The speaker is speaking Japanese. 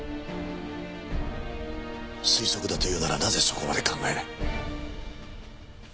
推測だというならなぜそこまで考えない？